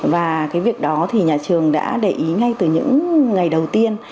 và cái việc đó thì nhà trường đã để ý ngay từ những ngày đầu tiên